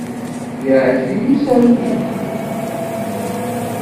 Yeɛjeb-iyi usaru-a.